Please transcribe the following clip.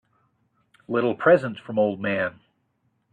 A little present from old man.